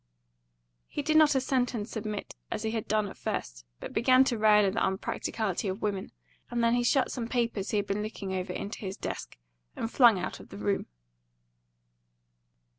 He did not assent and submit, as he had done at first, but began to rail at the unpracticality of women; and then he shut some papers he had been looking over into his desk, and flung out of the room.